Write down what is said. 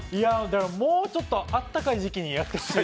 もうちょっと暖かい時期にやってほしい。